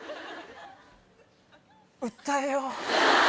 訴えよう。